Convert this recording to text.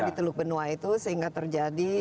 di teluk benua itu sehingga terjadi